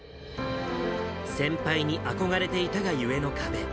先輩に憧れていたがゆえの壁。